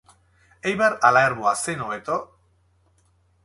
Eibar ala Ermua zein hobeto?